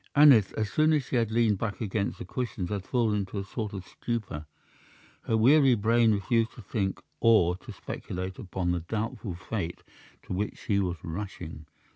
Aneth, as soon as she had leaned back against the cushions, had fallen into a sort of stupor. Her weary brain refused to think or to speculate upon the doubtful fate to which she was rushing.